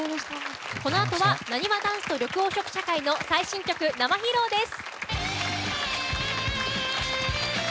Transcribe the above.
このあとはなにわ男子と緑黄色社会の最新曲生披露です。